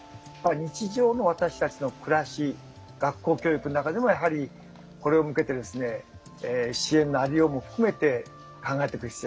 日常の私たちの暮らし学校教育の中でもやはりこれに向けて支援の在りようも含めて考えていく必要がある。